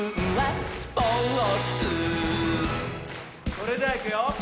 それじゃいくよ